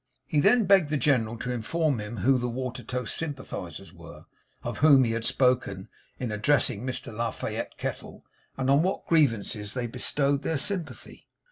He then begged the General to inform him who the Watertoast Sympathisers were, of whom he had spoken in addressing Mr La Fayette Kettle, and on what grievances they bestowed their Sympathy.